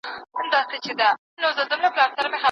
له لوړي څوکي څخه پرېوتلو